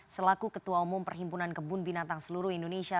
selaku ketua umum perhimpunan kebun binatang seluruh indonesia